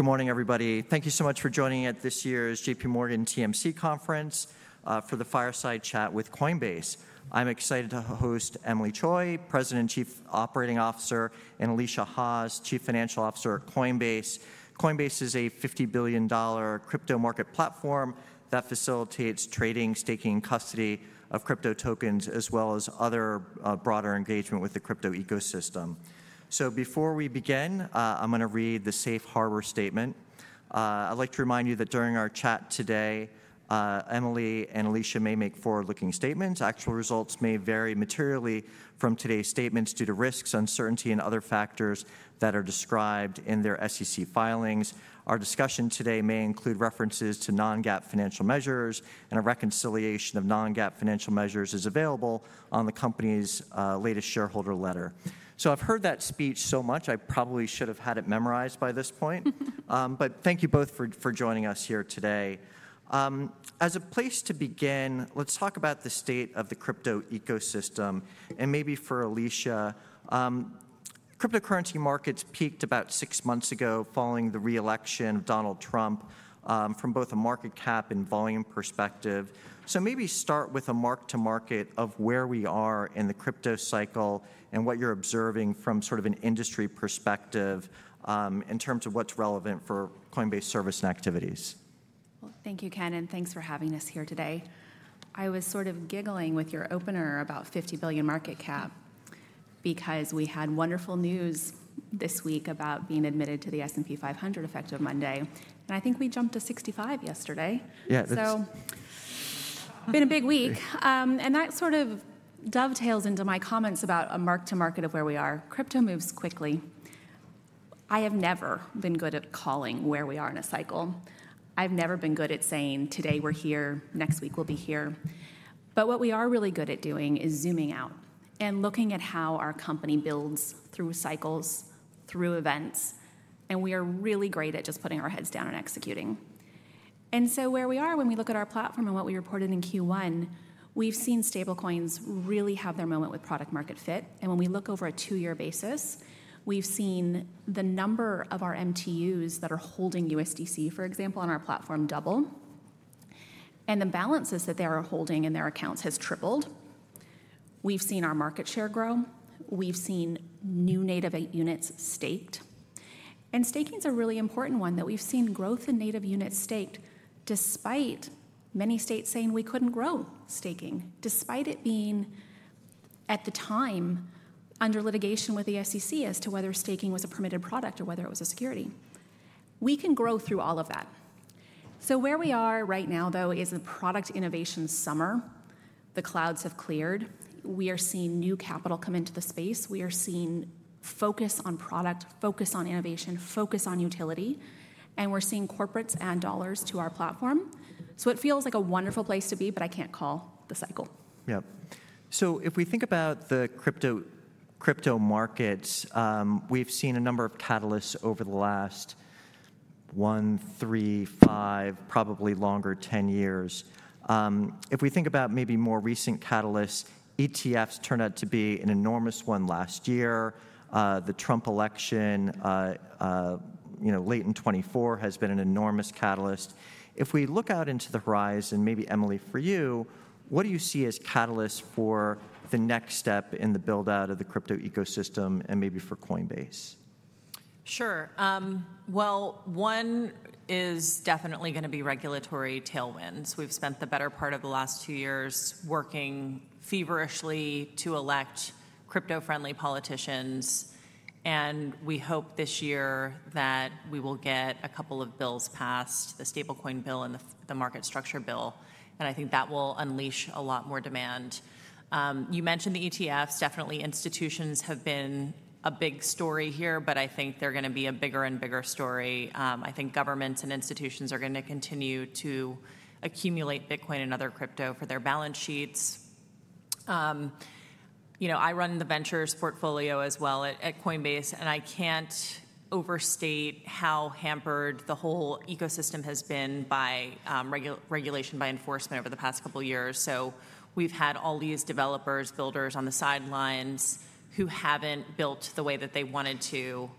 Good morning, everybody. Thank you so much for joining at this year's JPMorgan TMC Conference for the Fireside Chat with Coinbase. I'm excited to host Emilie Choi, President and Chief Operating Officer, and Alesia Haas, Chief Financial Officer at Coinbase. Coinbase is a $50 billion crypto market platform that facilitates trading, staking, and custody of crypto tokens, as well as other broader engagement with the crypto ecosystem. Before we begin, I'm going to read the Safe Harbor Statement. I'd like to remind you that during our chat today, Emilie and Alesia may make forward-looking statements. Actual results may vary materially from today's statements due to risks, uncertainty, and other factors that are described in their SEC filings. Our discussion today may include references to non-GAAP financial measures, and a reconciliation of non-GAAP financial measures is available on the company's latest shareholder letter. I've heard that speech so much, I probably should have had it memorized by this point. Thank you both for joining us here today. As a place to begin, let's talk about the state of the crypto ecosystem. Maybe for Alesia, cryptocurrency markets peaked about six months ago following the reelection of Donald Trump from both a market cap and volume perspective. Maybe start with a mark-to-market of where we are in the crypto cycle and what you're observing from sort of an industry perspective in terms of what's relevant for Coinbase service and activities. Thank you, Kenneth. Thanks for having us here today. I was sort of giggling with your opener about $50 billion market cap because we had wonderful news this week about being admitted to the S&P 500 effective Monday. I think we jumped to $65 billion yesterday. Yeah, that's. It's been a big week. That sort of dovetails into my comments about a mark-to-market of where we are. Crypto moves quickly. I have never been good at calling where we are in a cycle. I've never been good at saying, today we're here, next week we'll be here. What we are really good at doing is zooming out and looking at how our company builds through cycles, through events. We are really great at just putting our heads down and executing. Where we are, when we look at our platform and what we reported in Q1, we've seen stablecoins really have their moment with product-market fit. When we look over a two-year basis, we've seen the number of our MTUs that are holding USDC, for example, on our platform double. The balances that they are holding in their accounts have tripled. We've seen our market share grow. We've seen new native units staked. And staking is a really important one that we've seen growth in native units staked despite many states saying we couldn't grow staking, despite it being, at the time, under litigation with the SEC as to whether staking was a permitted product or whether it was a security. We can grow through all of that. Where we are right now, though, is the product innovation summer. The clouds have cleared. We are seeing new capital come into the space. We are seeing focus on product, focus on innovation, focus on utility. We're seeing corporates add dollars to our platform. It feels like a wonderful place to be, but I can't call the cycle. Yep. If we think about the crypto markets, we've seen a number of catalysts over the last one, three, five, probably longer, 10 years. If we think about maybe more recent catalysts, ETFs turned out to be an enormous one last year. The Trump election, late in 2024, has been an enormous catalyst. If we look out into the horizon, maybe, Emilie, for you, what do you see as catalysts for the next step in the build-out of the crypto ecosystem and maybe for Coinbase? Sure. One is definitely going to be regulatory tailwinds. We've spent the better part of the last two years working feverishly to elect crypto-friendly politicians. We hope this year that we will get a couple of bills passed, the stablecoin bill and the market structure bill. I think that will unleash a lot more demand. You mentioned the ETFs. Institutions have been a big story here, but I think they're going to be a bigger and bigger story. I think governments and institutions are going to continue to accumulate Bitcoin and other crypto for their balance sheets. I run the ventures portfolio as well at Coinbase, and I can't overstate how hampered the whole ecosystem has been by regulation, by enforcement over the past couple of years. We've had all these developers, builders on the sidelines who haven't built the way that they wanted to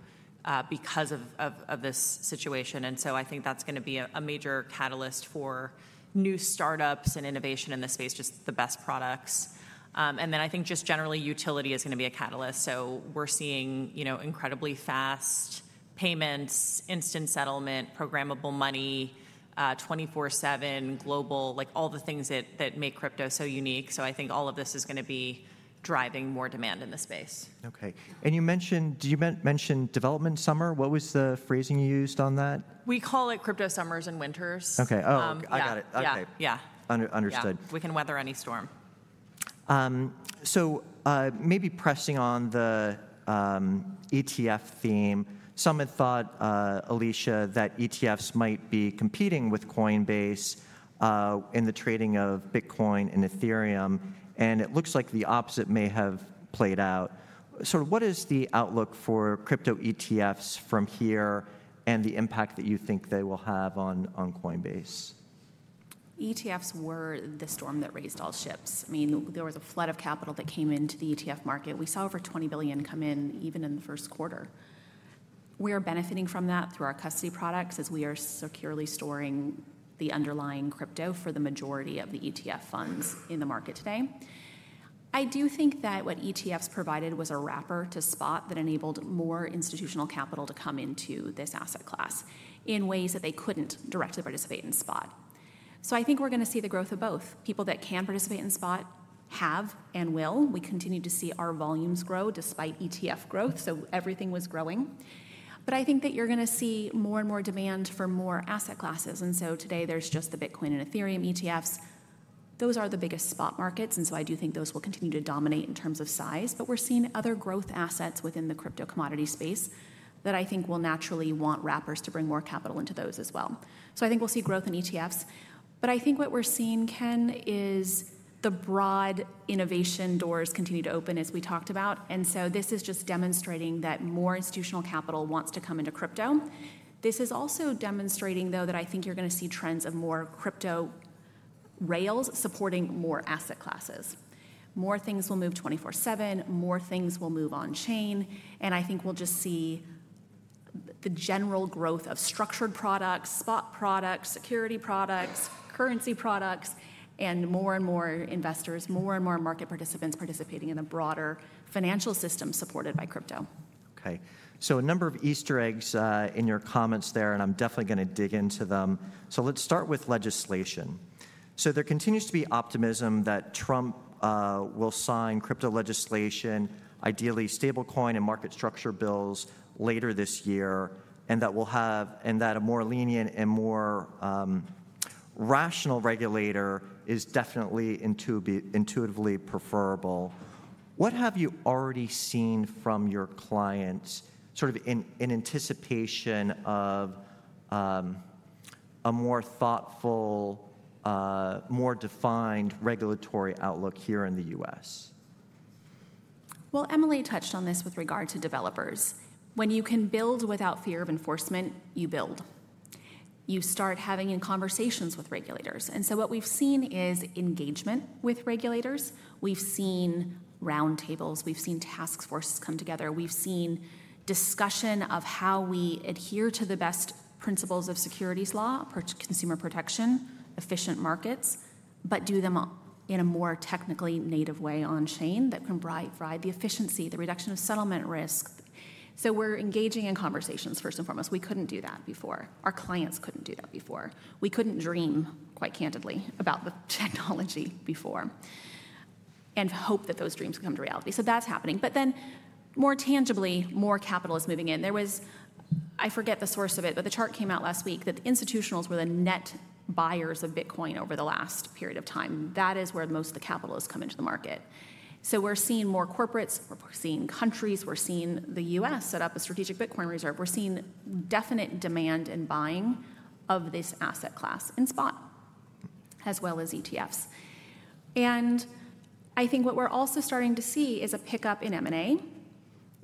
because of this situation. I think that's going to be a major catalyst for new startups and innovation in the space, just the best products. I think just generally utility is going to be a catalyst. We're seeing incredibly fast payments, instant settlement, programmable money, 24/7 global, like all the things that make crypto so unique. I think all of this is going to be driving more demand in the space. OK. You mentioned development summer. What was the phrasing you used on that? We call it crypto summers and winters. OK. Oh, I got it. OK. Yeah. Understood. Yeah, we can weather any storm. Maybe pressing on the ETF theme, some had thought, Alicia, that ETFs might be competing with Coinbase in the trading of Bitcoin and Ethereum. It looks like the opposite may have played out. Sort of what is the outlook for crypto ETFs from here and the impact that you think they will have on Coinbase? ETFs were the storm that raised all ships. I mean, there was a flood of capital that came into the ETF market. We saw over $20 billion come in even in the first quarter. We are benefiting from that through our custody products as we are securely storing the underlying crypto for the majority of the ETF funds in the market today. I do think that what ETFs provided was a wrapper to spot that enabled more institutional capital to come into this asset class in ways that they could not directly participate in spot. I think we are going to see the growth of both. People that can participate in spot have and will. We continue to see our volumes grow despite ETF growth. Everything was growing. I think that you are going to see more and more demand for more asset classes. Today there's just the Bitcoin and Ethereum ETFs. Those are the biggest spot markets. I do think those will continue to dominate in terms of size. We're seeing other growth assets within the crypto commodity space that I think will naturally want wrappers to bring more capital into those as well. I think we'll see growth in ETFs. What we're seeing, Ken, is the broad innovation doors continue to open, as we talked about. This is just demonstrating that more institutional capital wants to come into crypto. This is also demonstrating, though, that I think you're going to see trends of more crypto rails supporting more asset classes. More things will move 24/7. More things will move on-chain. I think we'll just see the general growth of structured products, spot products, security products, currency products, and more and more investors, more and more market participants participating in a broader financial system supported by crypto. OK. So a number of Easter eggs in your comments there, and I'm definitely going to dig into them. Let's start with legislation. There continues to be optimism that Trump will sign crypto legislation, ideally stablecoin and market structure bills later this year, and that a more lenient and more rational regulator is definitely intuitively preferable. What have you already seen from your clients sort of in anticipation of a more thoughtful, more defined regulatory outlook here in the U.S.? Emilie touched on this with regard to developers. When you can build without fear of enforcement, you build. You start having conversations with regulators. What we've seen is engagement with regulators. We've seen roundtables. We've seen task forces come together. We've seen discussion of how we adhere to the best principles of securities law, consumer protection, efficient markets, but do them in a more technically native way on-chain that can provide the efficiency, the reduction of settlement risk. We are engaging in conversations, first and foremost. We could not do that before. Our clients could not do that before. We could not dream, quite candidly, about the technology before and hope that those dreams would come to reality. That is happening. More tangibly, more capital is moving in. There was, I forget the source of it, but the chart came out last week that the institutionals were the net buyers of Bitcoin over the last period of time. That is where most of the capital has come into the market. We're seeing more corporates. We're seeing countries. We're seeing the U.S. set up a strategic Bitcoin reserve. We're seeing definite demand and buying of this asset class in spot as well as ETFs. I think what we're also starting to see is a pickup in M&A.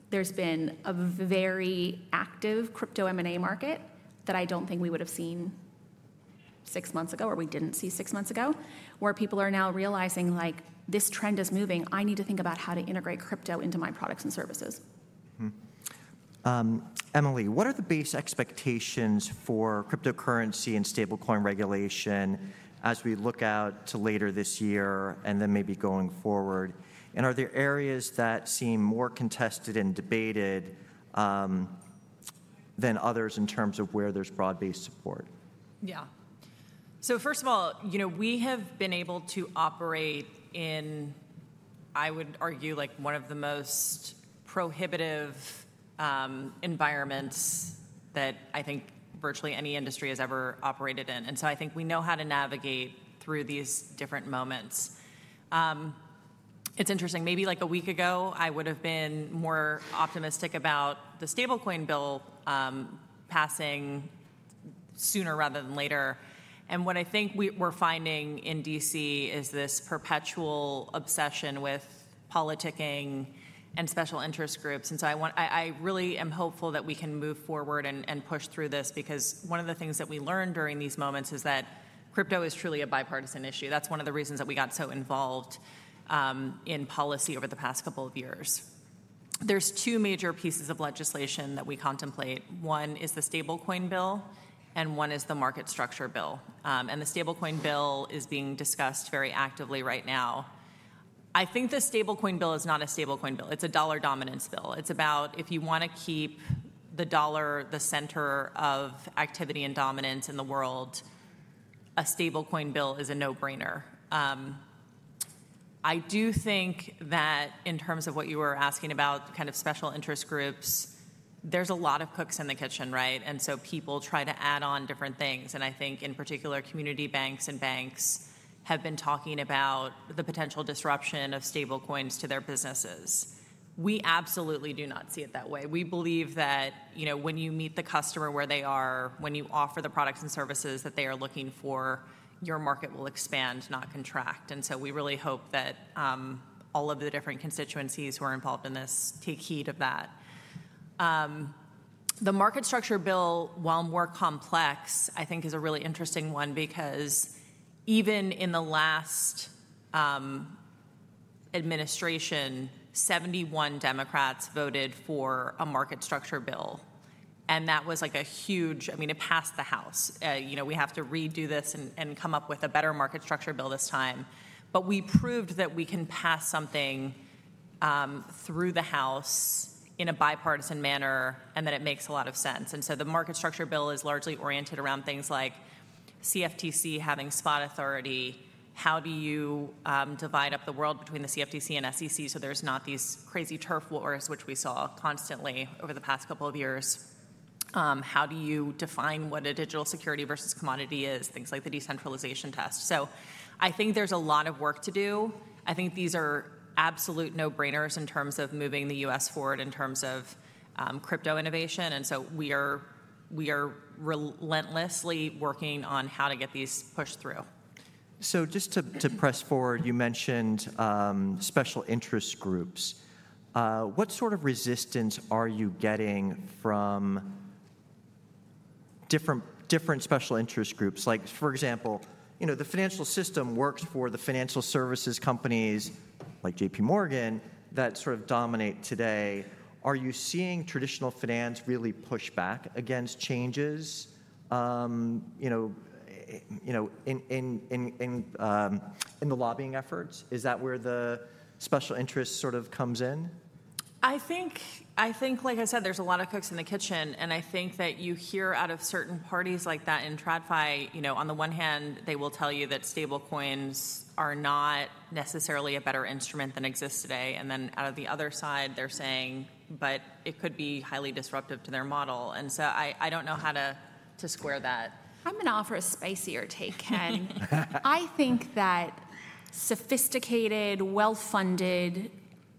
There's been a very active crypto M&A market that I don't think we would have seen six months ago or we didn't see six months ago, where people are now realizing, like, this trend is moving. I need to think about how to integrate crypto into my products and services. Emilie, what are the base expectations for cryptocurrency and stablecoin regulation as we look out to later this year and then maybe going forward? Are there areas that seem more contested and debated than others in terms of where there's broad-based support? Yeah. First of all, we have been able to operate in, I would argue, one of the most prohibitive environments that I think virtually any industry has ever operated in. I think we know how to navigate through these different moments. It's interesting. Maybe like a week ago, I would have been more optimistic about the stablecoin bill passing sooner rather than later. What I think we're finding in DC is this perpetual obsession with politicking and special interest groups. I really am hopeful that we can move forward and push through this because one of the things that we learned during these moments is that crypto is truly a bipartisan issue. That's one of the reasons that we got so involved in policy over the past couple of years. There are two major pieces of legislation that we contemplate. One is the stablecoin bill, and one is the market structure bill. The stablecoin bill is being discussed very actively right now. I think the stablecoin bill is not a stablecoin bill. It is a dollar dominance bill. It is about if you want to keep the dollar the center of activity and dominance in the world, a stablecoin bill is a no-brainer. I do think that in terms of what you were asking about kind of special interest groups, there are a lot of cooks in the kitchen, right? People try to add on different things. I think in particular, community banks and banks have been talking about the potential disruption of stablecoins to their businesses. We absolutely do not see it that way. We believe that when you meet the customer where they are, when you offer the products and services that they are looking for, your market will expand, not contract. We really hope that all of the different constituencies who are involved in this take heed of that. The market structure bill, while more complex, I think is a really interesting one because even in the last administration, 71 Democrats voted for a market structure bill. That was like a huge, I mean, it passed the House. We have to redo this and come up with a better market structure bill this time. We proved that we can pass something through the House in a bipartisan manner, and that it makes a lot of sense. The market structure bill is largely oriented around things like CFTC having spot authority. How do you divide up the world between the CFTC and SEC so there are not these crazy turf wars, which we saw constantly over the past couple of years? How do you define what a digital security versus commodity is, things like the decentralization test? I think there is a lot of work to do. I think these are absolute no-brainers in terms of moving the U.S. forward in terms of crypto innovation. We are relentlessly working on how to get these pushed through. Just to press forward, you mentioned special interest groups. What sort of resistance are you getting from different special interest groups? Like, for example, the financial system works for the financial services companies like JPMorgan that sort of dominate today. Are you seeing traditional finance really push back against changes in the lobbying efforts? Is that where the special interest sort of comes in? I think, like I said, there's a lot of cooks in the kitchen. I think that you hear out of certain parties like that in TradFi, on the one hand, they will tell you that stablecoins are not necessarily a better instrument than exist today. Then out of the other side, they're saying, but it could be highly disruptive to their model. I don't know how to square that. I'm going to offer a spicier take, Ken. I think that sophisticated, well-funded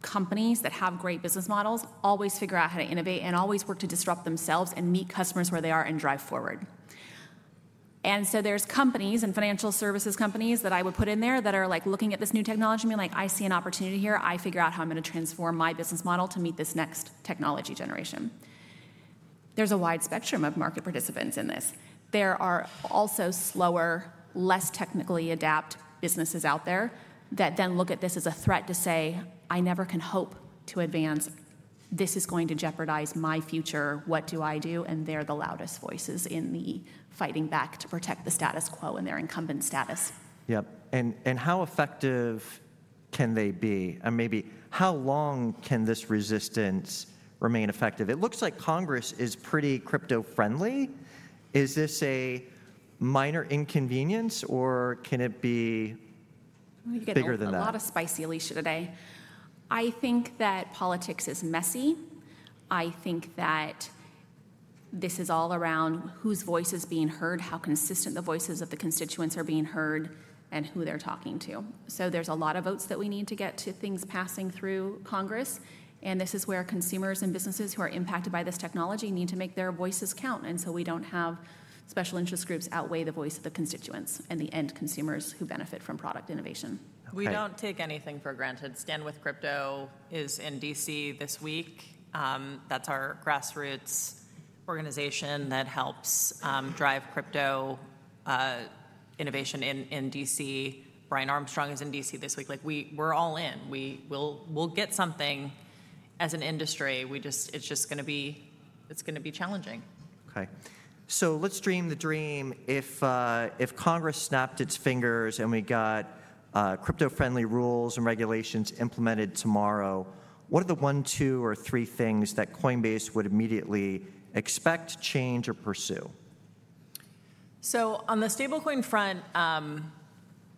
companies that have great business models always figure out how to innovate and always work to disrupt themselves and meet customers where they are and drive forward. There are companies and financial services companies that I would put in there that are looking at this new technology and being like, I see an opportunity here. I figure out how I'm going to transform my business model to meet this next technology generation. There's a wide spectrum of market participants in this. There are also slower, less technically adept businesses out there that then look at this as a threat to say, I never can hope to advance. This is going to jeopardize my future. What do I do? They're the loudest voices in the fighting back to protect the status quo and their incumbent status. Yep. How effective can they be? Maybe how long can this resistance remain effective? It looks like Congress is pretty crypto-friendly. Is this a minor inconvenience, or can it be bigger than that? We get a lot of spicy, Alesia, today. I think that politics is messy. I think that this is all around whose voice is being heard, how consistent the voices of the constituents are being heard, and who they're talking to. There are a lot of votes that we need to get to things passing through Congress. This is where consumers and businesses who are impacted by this technology need to make their voices count. We do not have special interest groups outweigh the voice of the constituents and the end consumers who benefit from product innovation. We do not take anything for granted. Stand With Crypto is in DC this week. That is our grassroots organization that helps drive crypto innovation in DC. Brian Armstrong is in DC this week. We are all in. We will get something as an industry. It is just going to be challenging. OK. So let's dream the dream. If Congress snapped its fingers and we got crypto-friendly rules and regulations implemented tomorrow, what are the one, two, or three things that Coinbase would immediately expect, change, or pursue? On the stablecoin front,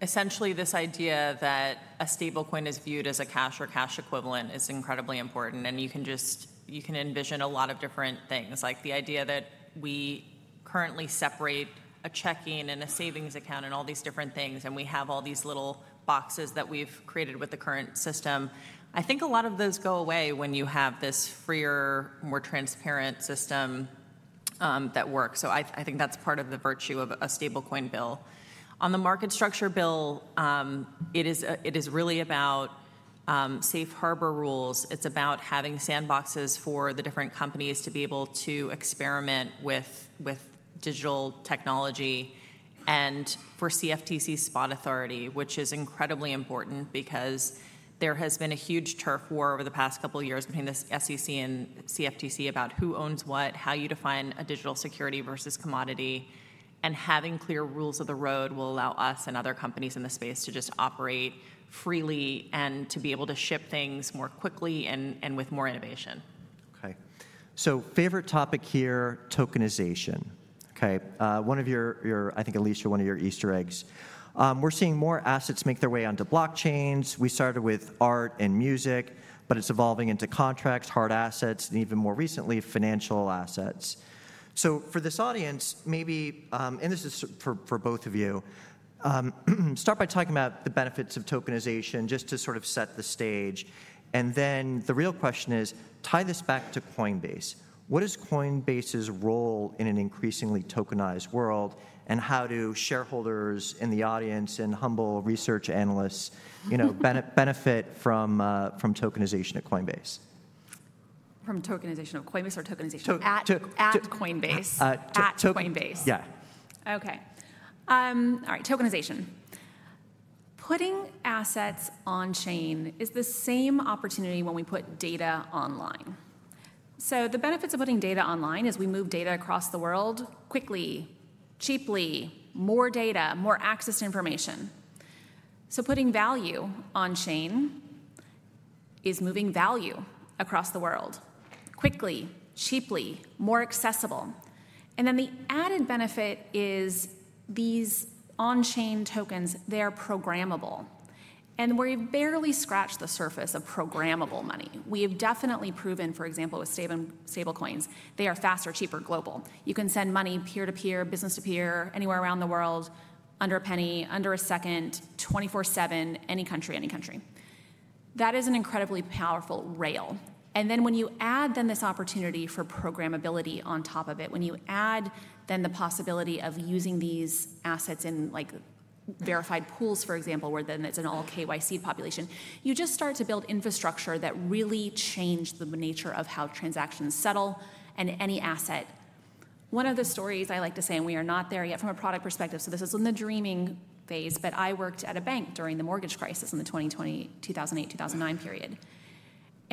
essentially this idea that a stablecoin is viewed as a cash or cash equivalent is incredibly important. You can envision a lot of different things, like the idea that we currently separate a checking and a savings account and all these different things, and we have all these little boxes that we have created with the current system. I think a lot of those go away when you have this freer, more transparent system that works. I think that is part of the virtue of a stablecoin bill. On the market structure bill, it is really about safe harbor rules. It's about having sandboxes for the different companies to be able to experiment with digital technology and for CFTC spot authority, which is incredibly important because there has been a huge turf war over the past couple of years between the SEC and CFTC about who owns what, how you define a digital security versus commodity. Having clear rules of the road will allow us and other companies in the space to just operate freely and to be able to ship things more quickly and with more innovation. OK. So favorite topic here, tokenization. One of your, I think, Alesia, one of your Easter eggs. We're seeing more assets make their way onto blockchains. We started with art and music, but it's evolving into contracts, hard assets, and even more recently, financial assets. For this audience, maybe--and this is for both of you--start by talking about the benefits of tokenization just to sort of set the stage. The real question is, tie this back to Coinbase. What is Coinbase's role in an increasingly tokenized world, and how do shareholders in the audience and humble research analysts benefit from tokenization at Coinbase? From tokenization at Coinbase or tokenization at Coinbase? At Coinbase. Yeah. OK. All right, tokenization. Putting assets on-chain is the same opportunity when we put data online. The benefits of putting data online is we move data across the world quickly, cheaply, more data, more access to information. Putting value on-chain is moving value across the world quickly, cheaply, more accessible. The added benefit is these on-chain tokens, they are programmable. We have barely scratched the surface of programmable money. We have definitely proven, for example, with stablecoins, they are faster, cheaper, global. You can send money peer-to-peer, business-to-peer, anywhere around the world, under a penny, under a second, 24/7, any country, any country. That is an incredibly powerful rail. Then when you add this opportunity for programmability on top of it, when you add the possibility of using these assets in verified pools, for example, where it is an all-KYC population, you just start to build infrastructure that really changes the nature of how transactions settle and any asset. One of the stories I like to say, and we are not there yet from a product perspective, so this is in the dreaming phase, but I worked at a bank during the mortgage crisis in the 2008, 2009 period.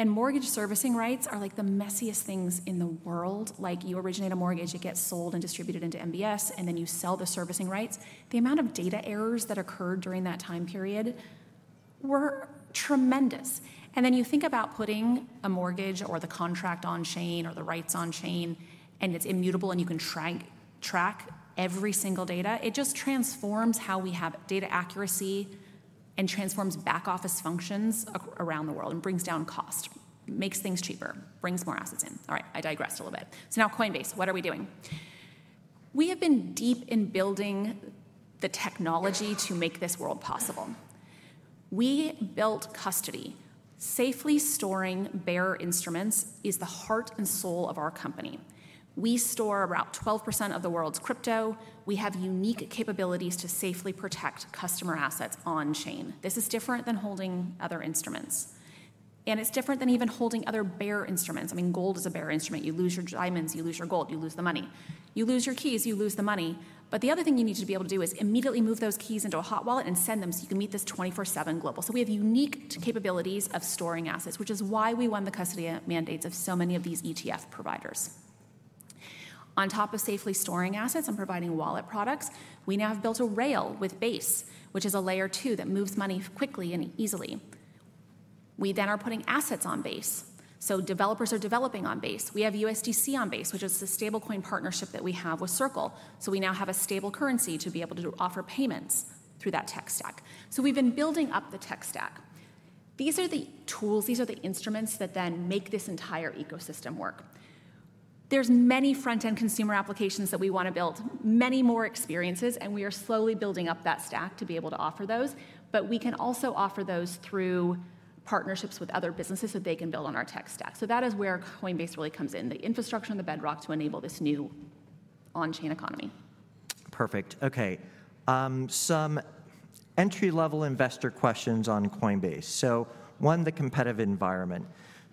Mortgage servicing rights are like the messiest things in the world. You originate a mortgage, it gets sold and distributed into MBS, and then you sell the servicing rights. The amount of data errors that occurred during that time period was tremendous. Then you think about putting a mortgage or the contract on-chain or the rights on-chain, and it is immutable, and you can track every single data. It just transforms how we have data accuracy and transforms back office functions around the world and brings down cost, makes things cheaper, brings more assets in. All right, I digressed a little bit. Now Coinbase, what are we doing? We have been deep in building the technology to make this world possible. We built custody. Safely storing bearer instruments is the heart and soul of our company. We store about 12% of the world's crypto. We have unique capabilities to safely protect customer assets on-chain. This is different than holding other instruments. It is different than even holding other bearer instruments. I mean, gold is a bearer instrument. You lose your diamonds, you lose your gold, you lose the money. You lose your keys, you lose the money. The other thing you need to be able to do is immediately move those keys into a hot wallet and send them so you can meet this 24/7 global. We have unique capabilities of storing assets, which is why we won the custody mandates of so many of these ETF providers. On top of safely storing assets and providing wallet products, we now have built a rail with Base, which is a layer two that moves money quickly and easily. We then are putting assets on Base. Developers are developing on Base. We have USDC on Base, which is the stablecoin partnership that we have with Circle. We now have a stable currency to be able to offer payments through that tech stack. We have been building up the tech stack. These are the tools, these are the instruments that then make this entire ecosystem work. There are many front-end consumer applications that we want to build, many more experiences, and we are slowly building up that stack to be able to offer those. We can also offer those through partnerships with other businesses that they can build on our tech stack. That is where Coinbase really comes in, the infrastructure and the bedrock to enable this new on-chain economy. Perfect. OK. Some entry-level investor questions on Coinbase. One, the competitive environment.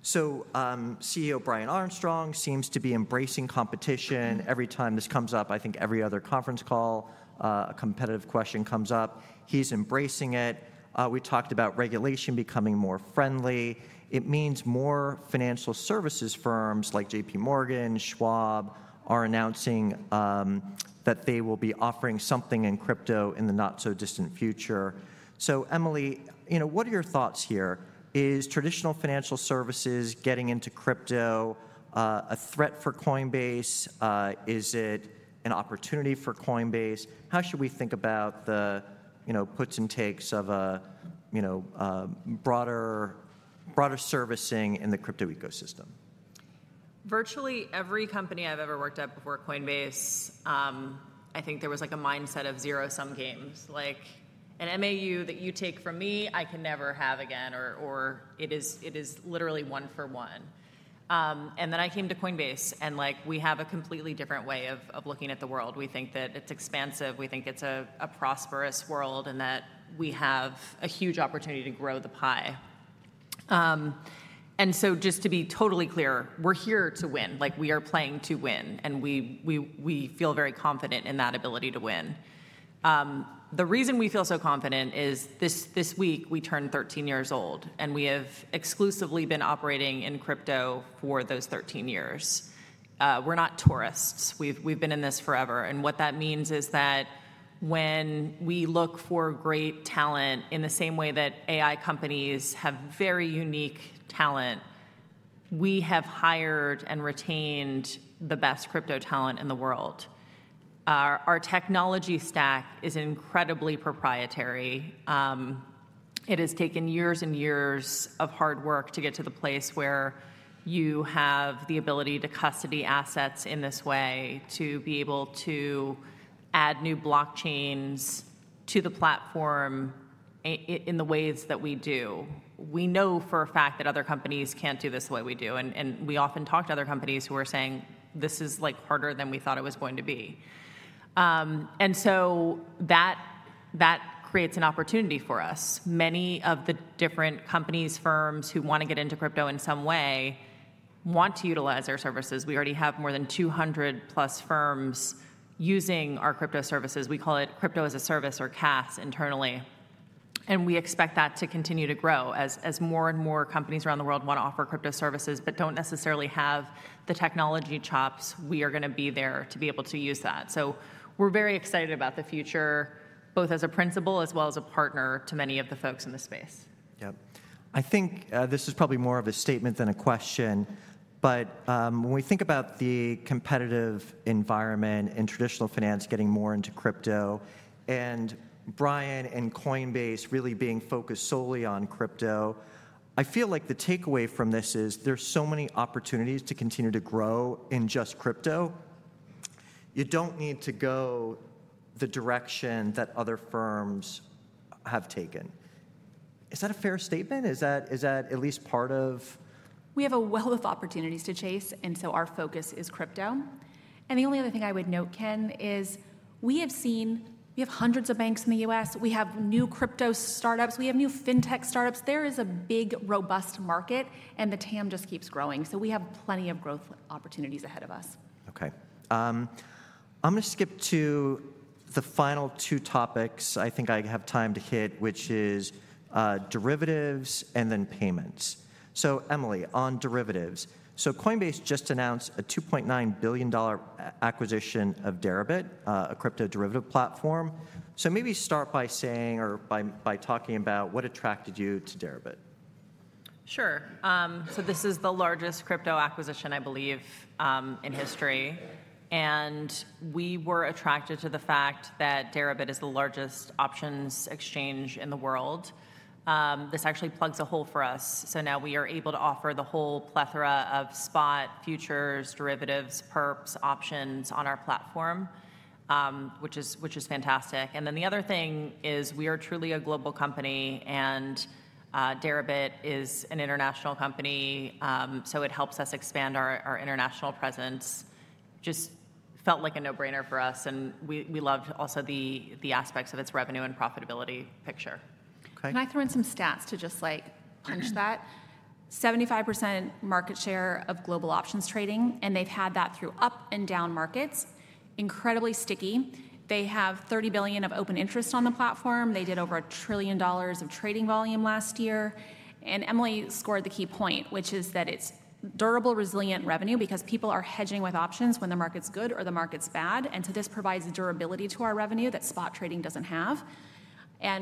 CEO Brian Armstrong seems to be embracing competition. Every time this comes up, I think every other conference call, a competitive question comes up. He's embracing it. We talked about regulation becoming more friendly. It means more financial services firms like JPMorgan, Schwab, are announcing that they will be offering something in crypto in the not-so-distant future. Emilie, what are your thoughts here? Is traditional financial services getting into crypto a threat for Coinbase? Is it an opportunity for Coinbase? How should we think about the puts and takes of broader servicing in the crypto ecosystem? Virtually every company I've ever worked at before Coinbase, I think there was like a mindset of zero-sum games. Like an MAU that you take from me, I can never have again, or it is literally one for one. I came to Coinbase, and we have a completely different way of looking at the world. We think that it's expansive. We think it's a prosperous world and that we have a huge opportunity to grow the pie. Just to be totally clear, we're here to win. We are playing to win, and we feel very confident in that ability to win. The reason we feel so confident is this week we turned 13 years old, and we have exclusively been operating in crypto for those 13 years. We're not tourists. We've been in this forever. What that means is that when we look for great talent in the same way that AI companies have very unique talent, we have hired and retained the best crypto talent in the world. Our technology stack is incredibly proprietary. It has taken years and years of hard work to get to the place where you have the ability to custody assets in this way, to be able to add new blockchains to the platform in the ways that we do. We know for a fact that other companies cannot do this the way we do. We often talk to other companies who are saying, this is harder than we thought it was going to be. That creates an opportunity for us. Many of the different companies, firms who want to get into crypto in some way want to utilize our services. We already have more than 200+ firms using our crypto services. We call it crypto as a service or CAS internally. We expect that to continue to grow as more and more companies around the world want to offer crypto services but do not necessarily have the technology chops. We are going to be there to be able to use that. We are very excited about the future, both as a principal as well as a partner to many of the folks in the space. Yep. I think this is probably more of a statement than a question. But when we think about the competitive environment in traditional finance getting more into crypto, and Brian and Coinbase really being focused solely on crypto, I feel like the takeaway from this is there's so many opportunities to continue to grow in just crypto. You don't need to go the direction that other firms have taken. Is that a fair statement? Is that at least part of? We have a wealth of opportunities to chase, and our focus is crypto. The only other thing I would note, Ken, is we have seen we have hundreds of banks in the U.S. We have new crypto startups. We have new fintech startups. There is a big, robust market, and the TAM just keeps growing. We have plenty of growth opportunities ahead of us. OK. I'm going to skip to the final two topics I think I have time to hit, which is derivatives and then payments. Emilie, on derivatives. Coinbase just announced a $2.9 billion acquisition of Deribit, a crypto derivative platform. Maybe start by saying or by talking about what attracted you to Deribit. Sure. This is the largest crypto acquisition, I believe, in history. We were attracted to the fact that Deribit is the largest options exchange in the world. This actually plugs a hole for us. Now we are able to offer the whole plethora of spot, futures, derivatives, perps, options on our platform, which is fantastic. The other thing is we are truly a global company, and Deribit is an international company. It helps us expand our international presence. Just felt like a no-brainer for us, and we loved also the aspects of its revenue and profitability picture. Can I throw in some stats to just like punch that? 75% market share of global options trading, and they've had that through up and down markets. Incredibly sticky. They have $30 billion of open interest on the platform. They did over $1 trillion of trading volume last year. Emilie scored the key point, which is that it's durable, resilient revenue because people are hedging with options when the market's good or the market's bad. This provides durability to our revenue that spot trading doesn't have.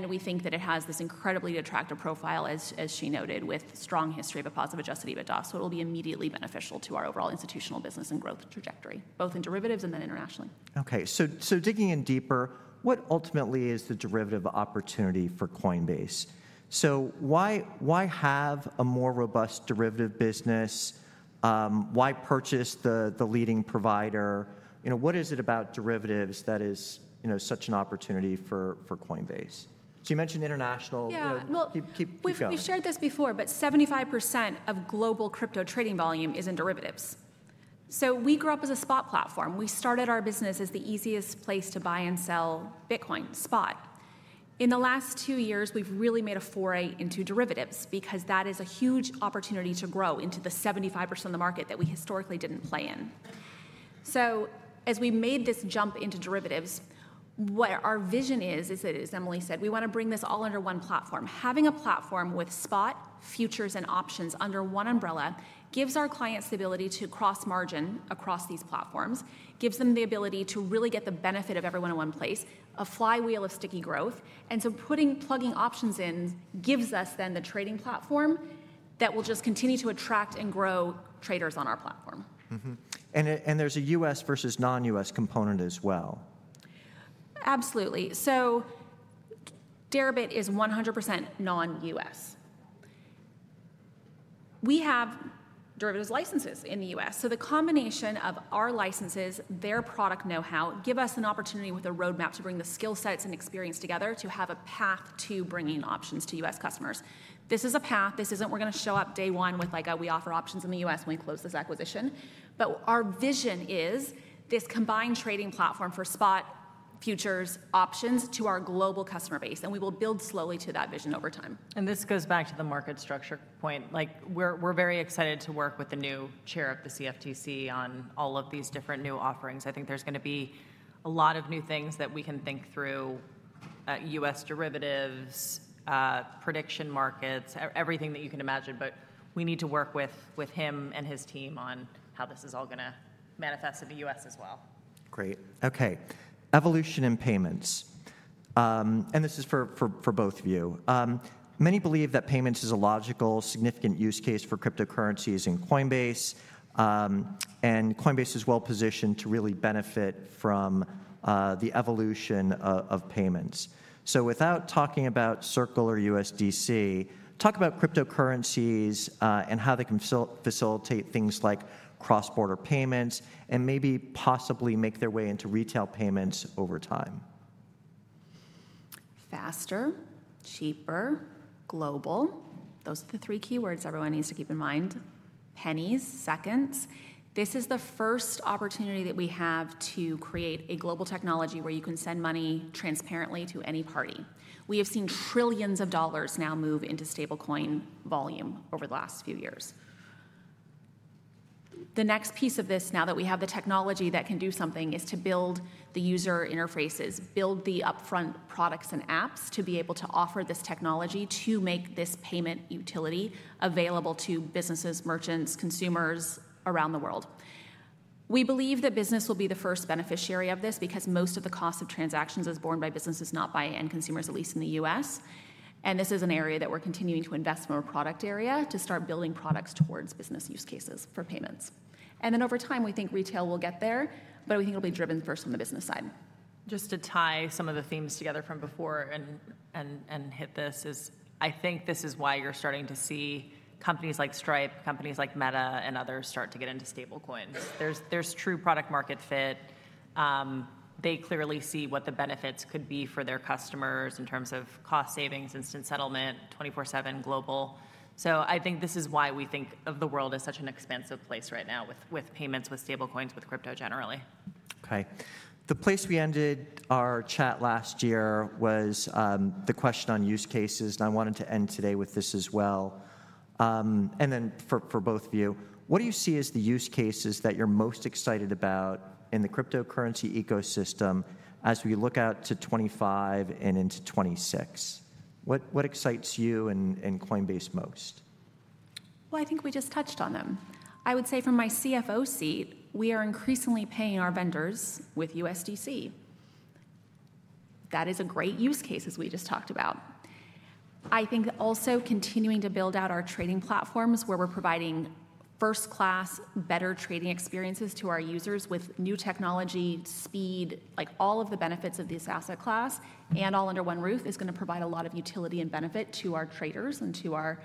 We think that it has this incredibly attractive profile, as she noted, with strong history of a positive adjusted EBITDA. It will be immediately beneficial to our overall institutional business and growth trajectory, both in derivatives and then internationally. OK. Digging in deeper, what ultimately is the derivative opportunity for Coinbase? Why have a more robust derivative business? Why purchase the leading provider? What is it about derivatives that is such an opportunity for Coinbase? You mentioned international. Yeah. We've shared this before, but 75% of global crypto trading volume is in derivatives. We grew up as a spot platform. We started our business as the easiest place to buy and sell Bitcoin, spot. In the last two years, we've really made a foray into derivatives because that is a huge opportunity to grow into the 75% of the market that we historically did not play in. As we made this jump into derivatives, what our vision is, as Emilie said, we want to bring this all under one platform. Having a platform with spot, futures, and options under one umbrella gives our clients the ability to cross-margin across these platforms, gives them the ability to really get the benefit of everyone in one place, a flywheel of sticky growth. Plugging options in gives us then the trading platform that will just continue to attract and grow traders on our platform. There is a U.S. versus non-U.S. component as well. Absolutely. Deribit is 100% non-U.S. We have Deribit as licenses in the U.S. The combination of our licenses, their product know-how gives us an opportunity with a roadmap to bring the skill sets and experience together to have a path to bringing options to U.S. customers. This is a path. This isn't we're going to show up day one with like we offer options in the U.S. when we close this acquisition. Our vision is this combined trading platform for spot, futures, options to our global customer base. We will build slowly to that vision over time. This goes back to the market structure point. We are very excited to work with the new Chair of the CFTC on all of these different new offerings. I think there is going to be a lot of new things that we can think through, U.S. derivatives, prediction markets, everything that you can imagine. We need to work with him and his team on how this is all going to manifest in the U.S. as well. Great. OK. Evolution in payments. This is for both of you. Many believe that payments is a logical, significant use case for cryptocurrencies in Coinbase. Coinbase is well positioned to really benefit from the evolution of payments. Without talking about Circle or USDC, talk about cryptocurrencies and how they can facilitate things like cross-border payments and maybe possibly make their way into retail payments over time. Faster, cheaper, global. Those are the three keywords everyone needs to keep in mind. Pennies, seconds. This is the first opportunity that we have to create a global technology where you can send money transparently to any party. We have seen trillions of dollars now move into stablecoin volume over the last few years. The next piece of this, now that we have the technology that can do something, is to build the user interfaces, build the upfront products and apps to be able to offer this technology to make this payment utility available to businesses, merchants, consumers around the world. We believe that business will be the first beneficiary of this because most of the cost of transactions is borne by businesses, not by end consumers, at least in the U.S. This is an area that we're continuing to invest in our product area to start building products towards business use cases for payments. Over time, we think retail will get there, but we think it'll be driven first on the business side. Just to tie some of the themes together from before and hit this is I think this is why you're starting to see companies like Stripe, companies like Meta, and others start to get into stablecoins. There is true product-market fit. They clearly see what the benefits could be for their customers in terms of cost savings, instant settlement, 24/7 global. I think this is why we think of the world as such an expansive place right now with payments, with stablecoins, with crypto generally. OK. The place we ended our chat last year was the question on use cases. I wanted to end today with this as well. For both of you, what do you see as the use cases that you're most excited about in the cryptocurrency ecosystem as we look out to 2025 and into 2026? What excites you and Coinbase most? I think we just touched on them. I would say from my CFO seat, we are increasingly paying our vendors with USDC. That is a great use case, as we just talked about. I think also continuing to build out our trading platforms where we're providing first-class, better trading experiences to our users with new technology, speed, like all of the benefits of this asset class and all under one roof is going to provide a lot of utility and benefit to our traders and to our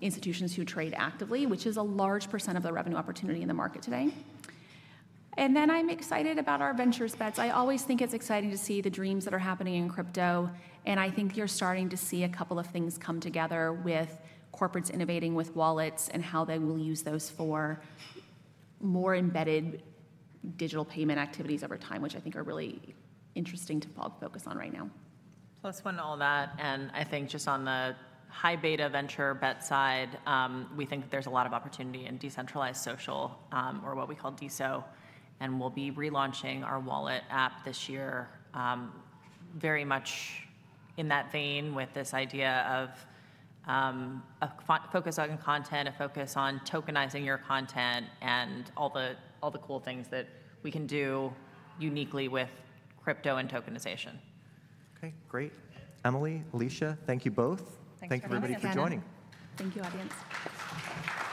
institutions who trade actively, which is a large percent of the revenue opportunity in the market today. I am excited about our venture spends. I always think it's exciting to see the dreams that are happening in crypto. I think you're starting to see a couple of things come together with corporates innovating with wallets and how they will use those for more embedded digital payment activities over time, which I think are really interesting to focus on right now. Plus one to all that. I think just on the high-beta venture bet side, we think that there's a lot of opportunity in decentralized social, or what we call DESO. We'll be relaunching our wallet app this year very much in that vein with this idea of a focus on content, a focus on tokenizing your content, and all the cool things that we can do uniquely with crypto and tokenization. OK. Great. Emilie, Alicia, thank you both. Thank you, Kenneth. Thank you, everybody, for joining. Thank you, audience.